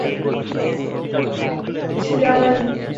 শামা আমার মেয়ে।